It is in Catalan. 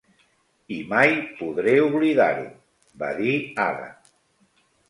"I mai podré oblidar-ho", va dir Ada.